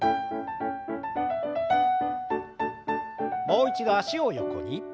もう一度脚を横に。